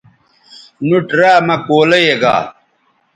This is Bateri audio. نُوٹ را مہ کولئ یے گا